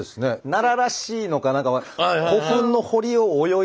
奈良らしいのか何か古墳の堀を泳いだるねんみたいな。